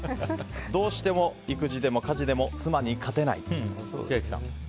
どうしても育児でも家事でも妻に勝てない。